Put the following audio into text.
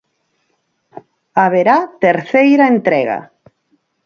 Haberá terceira entrega.